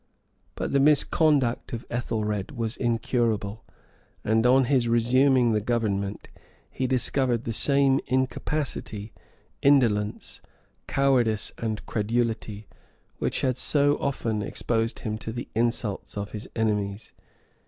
But the misconduct of Ethelred was incurable; and on his resuming the government, he discovered the same incapacity, indolence, cowardice, and credulity, which had so often exposed him to the insults of his enemies.